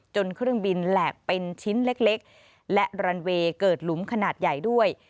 เครื่องบินแหลกเป็นชิ้นเล็กและรันเวย์เกิดหลุมขนาดใหญ่ด้วย